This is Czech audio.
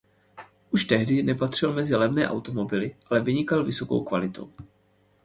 Už tehdy nepatřil mezi levné automobily ale vynikal vysokou kvalitou.